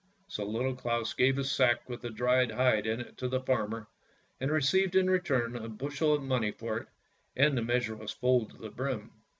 So Little Claus gave his sack with the dried hide in it to the farmer, and received in return a bushel of money for it and the measure was full to the brim.